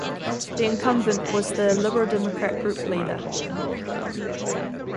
The incumbent was the Liberal Democrat group leader.